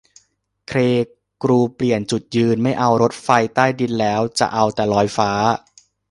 เคร กรูเปลี่ยนจุดยืน ไม่เอารถไฟใต้ดินแล้ว จะเอาแต่ลอยฟ้า